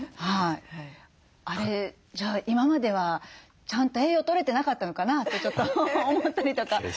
あれじゃあ今まではちゃんと栄養とれてなかったのかなってちょっと思ったりとかしますけど。